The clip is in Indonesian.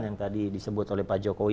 yang tadi disebut oleh pak jokowi